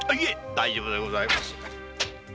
大丈夫でございます。